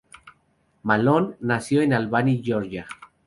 Malone nació en Albany, Georgia.